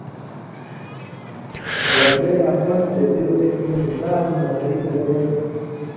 گازریاں پن٘ڑہۡ تے بیُو ایک مقدار مہ ہری گلے